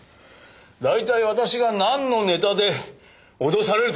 大体私がなんのネタで脅されると言うんですか。